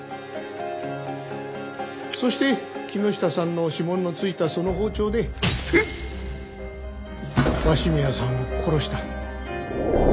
そして木下さんの指紋のついたその包丁で鷲宮さんを殺した。